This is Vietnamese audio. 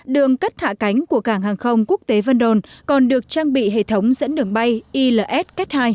đường cất hạ cánh của cảng hàng không quốc tế vân đồn còn được trang bị hệ thống dẫn đường bay ils cat hai